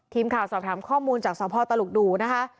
ทีมข่าวสอบถามข้อมูลจากสพตลุกดูนะคะ